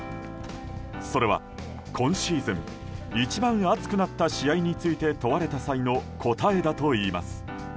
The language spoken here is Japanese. それは今シーズン一番熱くなった試合について問われた際の答えだといいます。